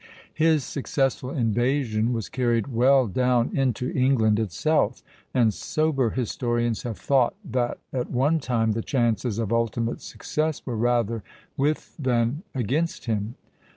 His successful invasion was carried well down into England itself; and sober historians have thought that at one time the chances of ultimate success were rather with than against him.